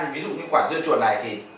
ví dụ như quả dưa chuột này thì